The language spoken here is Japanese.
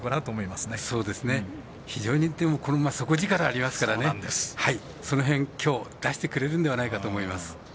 非常に、この馬底力がありますからねその辺きょう出してくれるんではないかと思います。